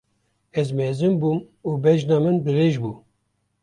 Ez mezin bûm û bejna min dirêj bû.